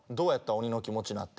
鬼の気持ちになって。